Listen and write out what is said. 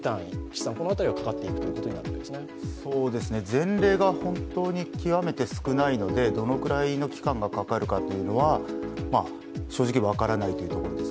前例が本当に極めて少ないのでどのくらいの期間がかかるかというのは正直分からないところです。